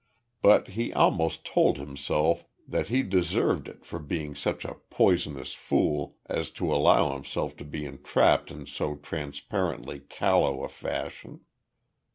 But he almost told himself that he deserved it for being such a poisonous fool as to allow himself to be entrapped in so transparently callow a fashion.